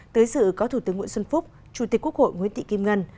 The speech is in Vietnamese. tới sự có thủ tướng nguyễn xuân phúc chủ tịch quốc hội nguyễn thị kim ngân